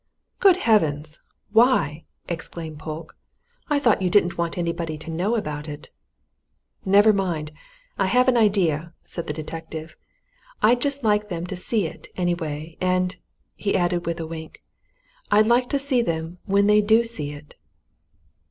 "Good heavens! why?" exclaimed Polke. "I thought you didn't want anybody to know about it." "Never mind I've an idea," said the detective. "I'd just like them to see it, anyway, and," he added, with a wink, "I'd like to see them when they do see it!"